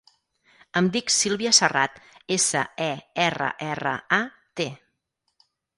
Em dic Sílvia Serrat: essa, e, erra, erra, a, te.